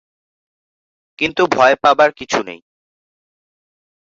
কিন্তু ভয় পাবার কিছু নেই।